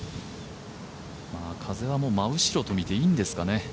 風は真後ろとみていいんですかね。